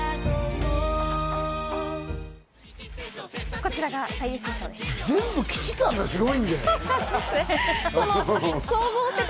こちらが最優秀賞でした。